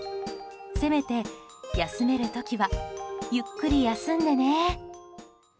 せめて、休める時はゆっくり休んでね。